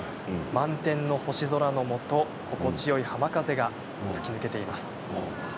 満天の星空のもと心地よい浜風が吹き抜けています。